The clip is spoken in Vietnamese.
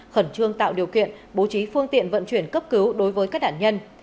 khẩn trương tạo điều kiện bố trí phương tiện vận chuyển cấp cứu đối với các đạn nhân